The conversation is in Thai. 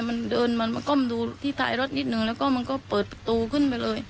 มันเดินมันมาก้มดูที่ท้ายรถนิดนึงแล้วก็มันก็เปิดประตูขึ้นไปเลย